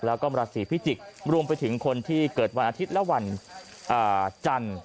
แล้วก็ราศีพิจิกษ์รวมไปถึงคนที่เกิดวันอาทิตย์และวันจันทร์